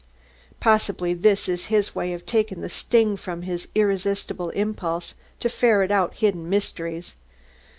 Possibly this is his way of taking the sting from his irresistible impulse to ferret out hidden mysteries.